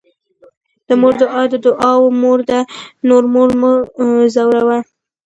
د مور دعاء د دعاوو مور ده، نو مور مه ځوروه